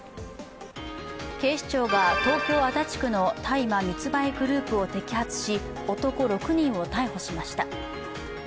警視庁が東京・足立区の大麻密売グループを摘発し、男６人を逮捕しました。